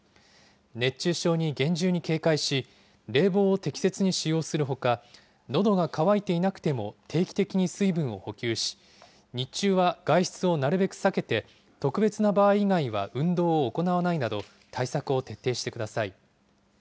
熱中症に厳重に警戒し、冷房を適切に使用するほか、のどが渇いていなくても、定期的に水分を補給し、日中は外出をなるべく避けて、特別な場合以外は、運動を行わないなど、対策を徹底してください。